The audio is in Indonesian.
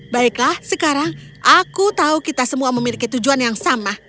baiklah sekarang aku tahu kita semua memiliki tujuan yang sama